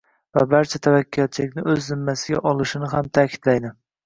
va barcha tavakkalchilikni o‘z zimmasiga olishini ham ta’kidlaydi.